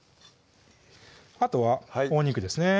あとはお肉ですね